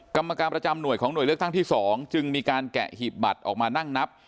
กรรมการประจำหน่วยของหน่วยเลือกตั้งที่๒จึงมีการแกะหีบบัตรออกมานั่งนับ